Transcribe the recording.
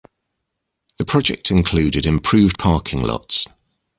The project included improved parking lots.